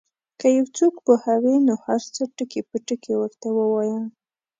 که یو څوک وپوهوې نو هر څه ټکي په ټکي ورته ووایه.